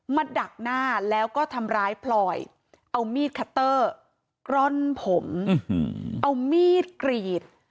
ดักหน้าแล้วก็ทำร้ายพลอยเอามีดคัตเตอร์กร่อนผมเอามีดกรีด